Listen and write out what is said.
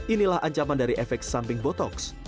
inilah ancaman dari efek samping botoks